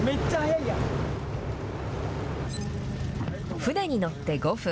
船に乗って５分。